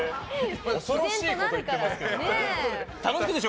恐ろしいこと言ってますけど。